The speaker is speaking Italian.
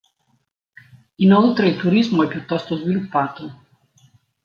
Inoltre il turismo è piuttosto sviluppato.